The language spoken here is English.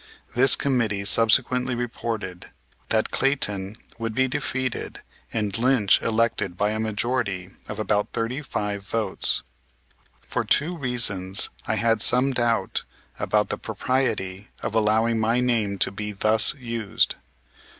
This committee subsequently reported that Clayton would be defeated and Lynch elected by a majority of about thirty five votes. For two reasons I had some doubt about the propriety of allowing my name to be thus used.